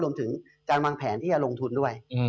รวมถึงการวางแผนที่จะลงทุนด้วย